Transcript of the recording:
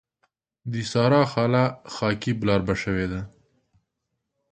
د سارا خاله خاکي بلاربه شوې ده.